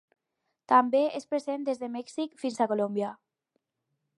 També és present des de Mèxic fins a Colòmbia.